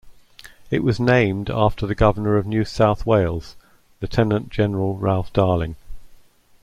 It was named after the Governor of New South Wales Lieutenant-General Ralph Darling.